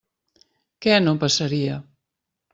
Què no passaria?